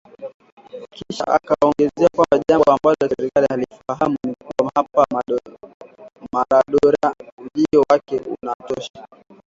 Kisha akaongeza kwamba jambo ambalo serikali hailifahamu ni kuwa hapa Marondera, ujio wake unatosha